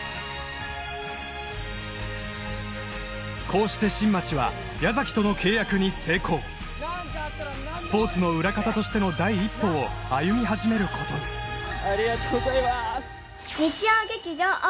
こうして新町は矢崎との契約に成功スポーツの裏方としての第一歩を歩み始めることにありがとうございます